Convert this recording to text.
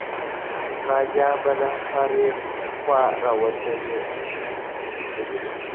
غازیان به له هرې خوا راټولېدلې وو.